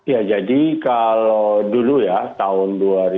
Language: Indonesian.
ya jadi kalau dulu ya tahun dua ribu dua